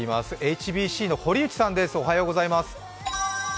ＨＢＣの堀内さんです。